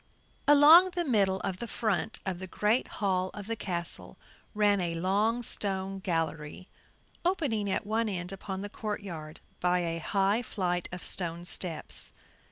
Along the middle of the front of the great hall of the castle, ran a long stone gallery, opening at one end upon the court yard by a high flight of stone steps.